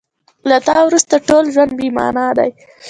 له تا وروسته ټول ژوند بې مانا دی.